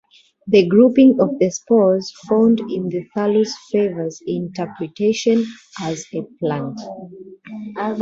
The grouping of the spores found in the thallus favors interpretation as a plant.